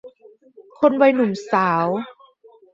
คนวัยหนุ่มสาว